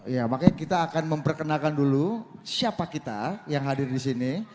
ya makanya kita akan memperkenalkan dulu siapa kita yang hadir di sini